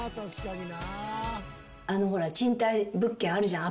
ほら賃貸物件あるじゃん